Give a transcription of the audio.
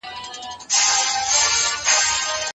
چارواکي د اقتصادي نظام د رامنځته کولو هڅه کوي.